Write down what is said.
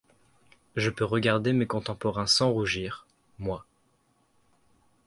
Je peux regarder mes contemporains sans rougir, moi !